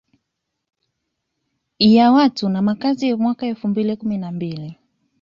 Ya watu na makazi ya mwaka elfu mbili na kumi na mbili